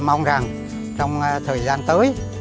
mong rằng trong thời gian tới